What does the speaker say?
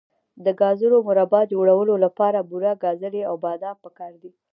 د ګازرو مربا جوړولو لپاره بوره، ګازرې او بادام پکار دي.